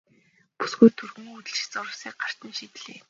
Бүсгүй түргэн хөдөлж зурвасыг гарт нь шидлээ.